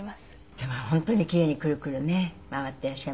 でも本当に奇麗にクルクルね回っていらっしゃいましたよね。